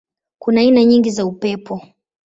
Kuna aina nyingi za upepo.